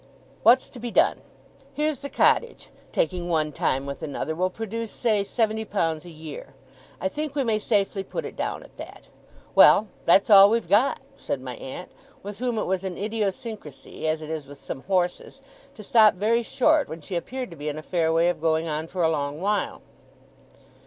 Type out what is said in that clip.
'What's to be done? Here's the cottage, taking one time with another, will produce say seventy pounds a year. I think we may safely put it down at that. Well! That's all we've got,' said my aunt; with whom it was an idiosyncrasy, as it is with some horses, to stop very short when she appeared to be in a fair way of going on for a long while.